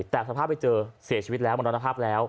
แต่สภาพไปเจอเสียชีวิตแล้วมรณภาพแล้ว